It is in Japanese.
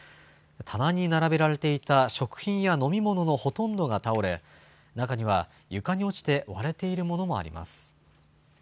棚に並べられていた食品や飲み物のほとんどが倒れ、中には床に落ちて割れているものもあります。